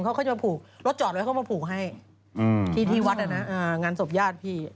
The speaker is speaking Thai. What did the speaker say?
เขาก็เข้ามาผูกรถอย่างนี้เข้ามาผูกให้ที่วัดอะนะงานศพญาติพี่